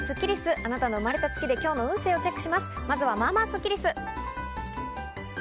あなたの生まれた月で今日の運勢をチェック